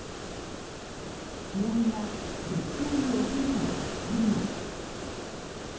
試合ができない恐れがあるのです。